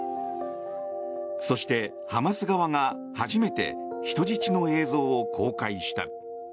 そして、ハマス側が初めて人質の映像を公開した。